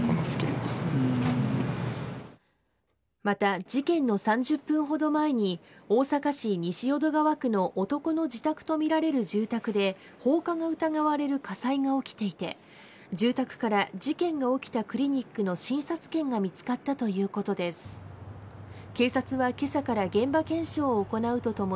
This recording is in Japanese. また、事件の３０分ほど前に大阪市西淀川区の男の自宅とみられる住宅で放火が疑われる火災が起きていて住宅から事件の起きたクリニックの診察券が見つかったということです。